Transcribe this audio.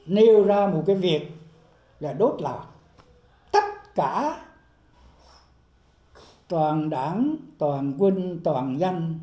nêu ra một cái việc là đốt lại tất cả toàn đảng toàn quân toàn dân